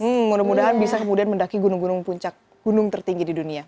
hmm mudah mudahan bisa kemudian mendaki gunung gunung puncak gunung tertinggi di dunia